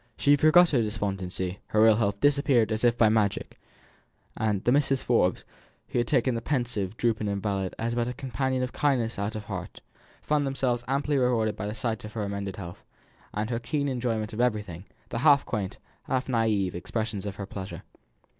She forgot her despondency, her ill health disappeared as if by magic; the Misses Forbes, who had taken the pensive, drooping invalid as a companion out of kindness of heart, found themselves amply rewarded by the sight of her amended health, and her keen enjoyment of everything, and the half quaint, half naive expressions of her pleasure.